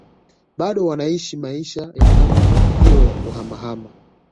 Bado wanaishi maisha ya namna hiyo ya kuhamahama